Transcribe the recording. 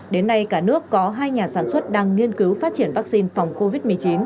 đến nay cả nước có hai nhà sản xuất đang nghiên cứu phát triển vaccine phòng covid một mươi chín